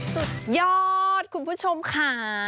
สุดยอดคุณผู้ชมค่ะ